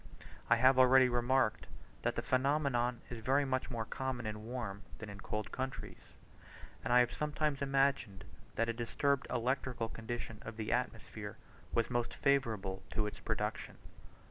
I have already remarked that the phenomenon is very much more common in warm than in cold countries; and I have sometimes imagined that a disturbed electrical condition of the atmosphere was most favourable to its production.